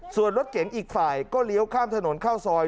ส่วนรถเก๋งอีกฝ่ายก็เลี้ยวข้ามถนนเข้าซอย